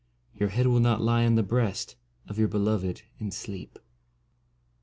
Your head will not lie on the breast Of your beloved in sleep.